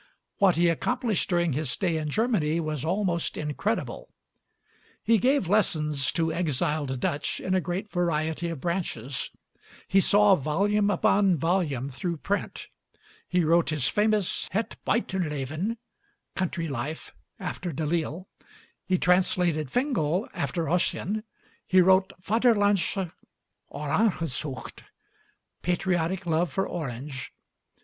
What he accomplished during his stay in Germany was almost incredible. He gave lessons to exiled Dutch in a great variety of branches, he saw volume upon volume through print; he wrote his famous 'Het Buitenleven' (Country Life) after Delille, he translated Fingal after Ossian, he wrote 'Vaderlandsche Orangezucht' (Patriotic Love for Orange).